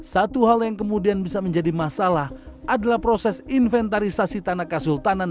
satu hal yang kemudian bisa menjadi masalah adalah proses inventarisasi tanah kasultanan